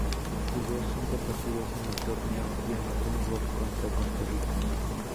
Jugó cinco partidos en el torneo y anotó un gol contra Costa Rica.